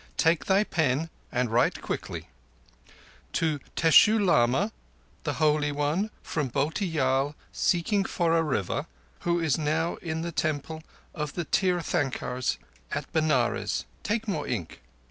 Take thy pen and write quickly. To Teshoo Lama, the Holy One from Bhotiyal seeking for a River, who is now in the Temple of the Tirthankars at Benares. Take more ink!